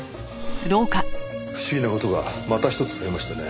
不思議な事がまたひとつ増えましたね。